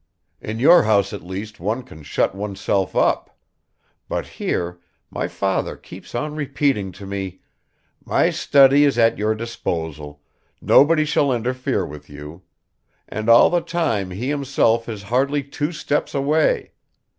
In your house at least one can shut oneself up, but here my father keeps on repeating to me, 'My study is at your disposal nobody shall interfere with you,' and all the time he himself is hardly two steps away.